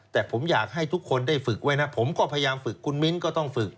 แต่ผมอยากให้ทุกคนได้ฝึกไว้นะผมก็พยายามฝึกคุณมิ้นก็ต้องฝึก